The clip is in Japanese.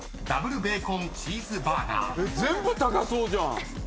全部高そうじゃん。